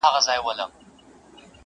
ښکلی یې قد و قامت وو ډېر بې حده حسندار.